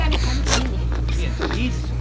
いえいいですよ